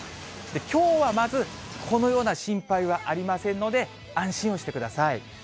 きょうはまず、このような心配はありませんので、安心をしてください。